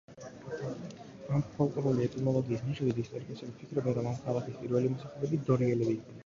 ამ ფოლკლორული ეტიმოლოგიის მიხედვით, ისტორიკოსები ფიქრობენ, რომ ამ ქალაქის პირველი მოსახლეები დორიელები იყვნენ.